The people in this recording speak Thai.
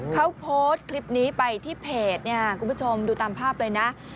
เขาโพสต์คลิปนี้ไปที่เพจเนี่ยคุณผู้ชมดูตามภาพเลยนะ